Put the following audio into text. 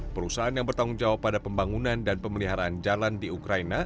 perusahaan yang bertanggung jawab pada pembangunan dan pemeliharaan jalan di ukraina